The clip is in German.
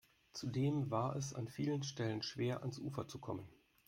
Zudem war es an vielen Stellen schwer, ans Ufer zu kommen.